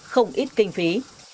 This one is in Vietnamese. không ít kinh phí